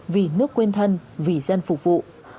vì nước quên thân vì dân phục vụ